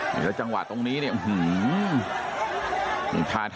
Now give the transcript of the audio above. แล้วจังหวัดตรงนี้เนี่ย